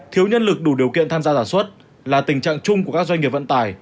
thiếu nhân lực đủ điều kiện tham gia sản xuất là tình trạng chung của các doanh nghiệp vận tải